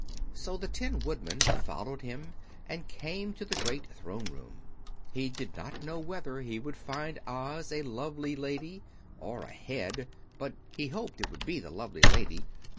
So the Tin Woodman followed him and came to the great Throne Room. He did not know whether he would find Oz a lovely Lady or a Head, but he hoped it would be the lovely Lady.